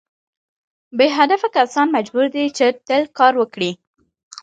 بې هدفه کسان مجبور دي چې تل کار وکړي.